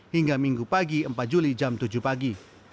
hingga minggu pagi empat juli jam tujuh pagi